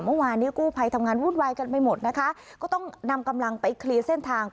เมื่อวานเนี้ยกู้ภัยทำงานวุ่นวายกันไปหมดนะคะก็ต้องนำกำลังไปเคลียร์เส้นทาง